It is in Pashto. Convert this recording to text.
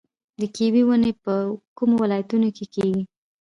د کیوي ونې په کومو ولایتونو کې کیږي؟